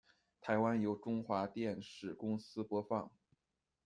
台湾由中华电视公司播放。